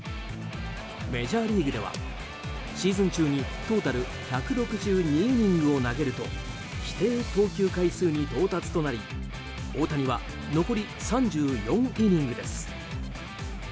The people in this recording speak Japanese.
メジャーリーグではシーズン中にトータル１６２イニングを投げると規定投球回数に到達となり大谷は残り３４イニングです。